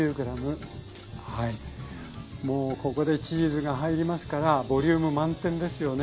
もうここでチーズが入りますからボリューム満点ですよね。